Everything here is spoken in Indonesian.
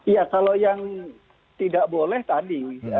ya kalau yang tidak boleh tadi